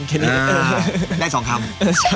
ได้สองคำ